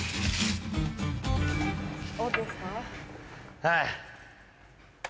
はい！